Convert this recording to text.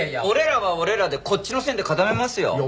俺らは俺らでこっちの線で固めますよ。